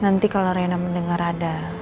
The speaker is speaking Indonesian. nanti kalau reina mendengar ada